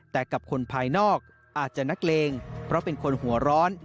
แต่กับคนภายนอกอาจจะนักเลงเพราะเป็นคนหัวร้อน